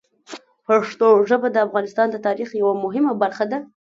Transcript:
پښتو ژبه د افغانستان د تاریخ یوه مهمه برخه ده.